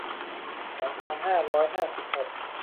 สองพันห้าร้อยห้าสิบหก